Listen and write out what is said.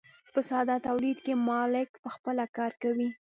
په ساده تولید کې مالک پخپله کار کوي.